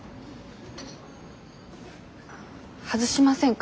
外しませんか？